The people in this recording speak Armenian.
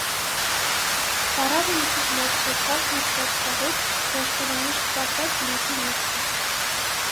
Պառավը մի քիչ բարձրացավ նստած տեղից՝ ձեռքերը միշտ պարզած դեպի որդին.